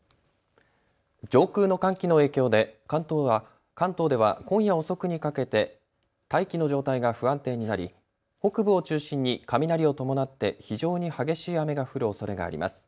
上空の寒気の影響で関東では今夜遅くにかけて大気の状態が不安定になり北部を中心に雷を伴って非常に激しい雨が降るおそれがあります。